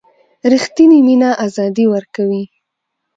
ریښتینې مینه آزادي ورکوي.